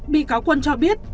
bị cáo quân cho biết